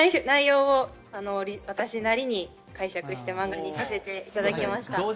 内容を私なりに解釈して、漫画にさせていただきました。